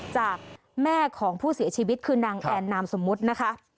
จากแม่ของผู้เสียชีวิตคือนางแอนนามสมมุตินะคะ